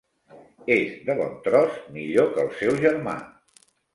És de bon tros millor que el seu germà.